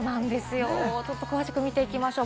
ちょっと詳しく見ていきましょう。